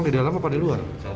di dalam pak